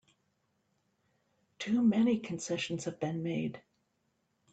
Too many concessions have been made!